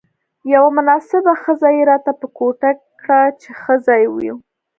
یوه مناسبه خزه يې راته په ګوته کړه، چې ښه ځای وو.